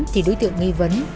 thì đối tượng nghi vấn